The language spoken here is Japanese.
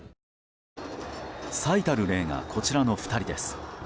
最たる例が、こちらの２人です。